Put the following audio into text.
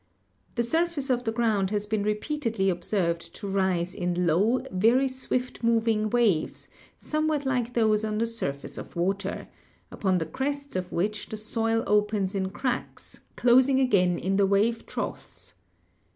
The surface of the ground has been repeatedly observed to rise in low, very swiftly mov ing waves, somewhat like those on the surface of water, upon the crests of which the soil opens in cracks, closing again in the wave troughs.